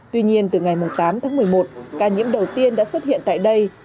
tuy nhiên từ ngày tám tháng một mươi một ca nhiễm đầu tiên đã xuất hiện tại đây